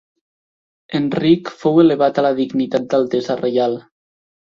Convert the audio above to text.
Enric fou elevat a la dignitat d'Altesa Reial.